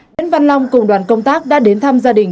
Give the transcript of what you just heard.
nguyễn văn long cùng đoàn công tác đã đến thăm gia đình